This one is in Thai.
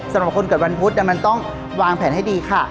สำหรับคนเกิดวันพุธมันต้องวางแผนให้ดีค่ะ